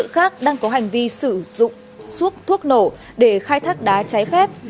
công an huyện mèo vạc đang có hành vi sử dụng suốt thuốc nổ để khai thác đá trái phép